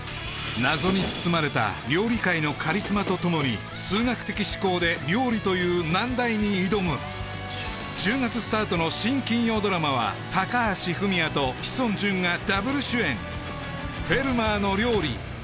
謎に包まれた料理界のカリスマとともに数学的思考で料理という難題に挑む１０月スタートの新金曜ドラマは高橋文哉と志尊淳がダブル主演「フェルマーの料理」